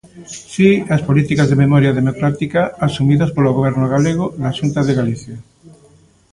Si ás políticas de memoria democrática asumidas polo Goberno galego da Xunta de Galicia.